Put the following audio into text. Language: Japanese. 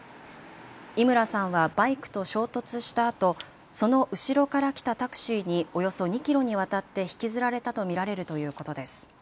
伊村さんはバイクと衝突したあとその後ろから来たタクシーにおよそ２キロにわたって引きずられたと見られるということです。